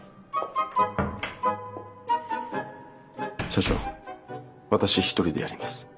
社長私一人でやります。